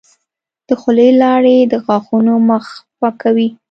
د خولې لاړې د غاښونو مخ پاکوي.